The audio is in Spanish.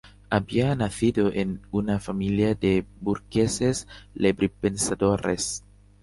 Había nacido en una familia de burgueses librepensadores.